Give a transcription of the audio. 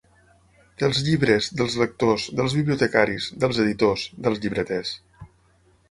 Dels llibres, dels lectors, dels bibliotecaris, dels editors, dels llibreters.